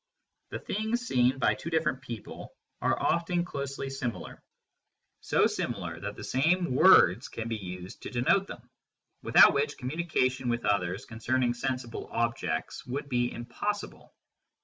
The things seen by two different people are often closely similar, so similar that the same words can be used to denote them, without which communication with others concerning sensible objects would be impossible.